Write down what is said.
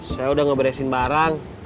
saya udah ngeberesin barang